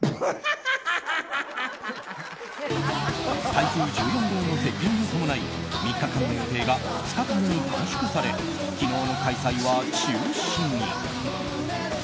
台風１４号の接近に伴い３日間の予定が２日間に短縮され昨日の開催は中止に。